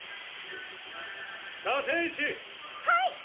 立石！はいっ！